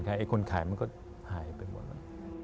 คนขายมันก็หายไปหมดแล้ว